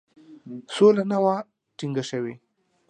سوله نه وه ټینګه شوې.